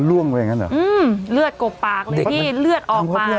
โห้ยสงสารอ่ะ